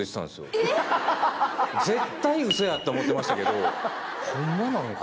絶対嘘やって思ってましたけどホンマなんか。